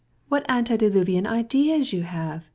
What antediluvian notions you have!